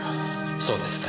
そうですか。